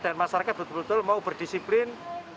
dan masyarakat betul betul mau berdisiplin